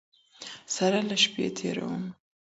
ســـره شپـــــې تېــروم